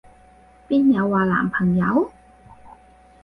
邊有話男朋友？